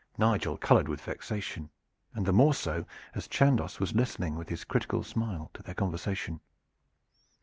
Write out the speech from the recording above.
Nigel colored with vexation, and the more so as Chandos was listening with his critical smile to their conversation.